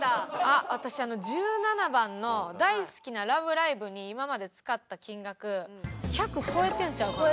私あの１７番の大好きな『ラブライブ！』に今まで使った金額１００超えてるんちゃうかなと。